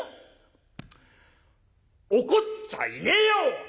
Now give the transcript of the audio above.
「怒っちゃいねえよ！」。